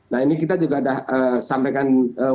nah ini kita juga sudah sampaikan